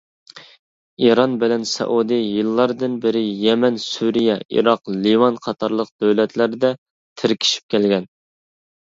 ئىران بىلەن سەئۇدى يىللاردىن بىرى يەمەن، سۈرىيە، ئىراق، لىۋان قاتارلىق دۆلەتلەردە تىركىشىپ كەلگەن.